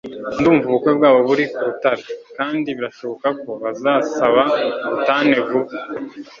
Ndumva ubukwe bwabo buri ku rutare kandi birashoboka ko bazasaba ubutane vuba